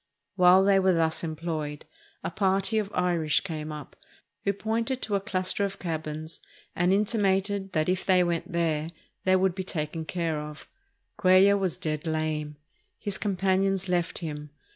While they were thus employed, a party of Irish came up, who pointed to a cluster of cabins and intimated that if they went there they would be taken care of. Cuellar was dead lame. His companions left him.